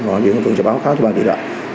bà chủ yếu phòng phường sẽ báo cáo cho bà chủ đại